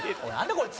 こいつ！